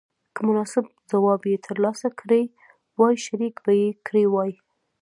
که مناسب ځواب یې تر لاسه کړی وای شریک به یې کړی وای.